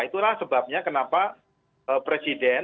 itulah sebabnya kenapa presiden